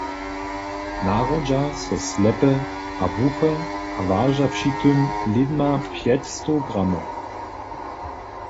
Narodźa so slepe a hłuche a waža při tym lědma pjećstow gramow.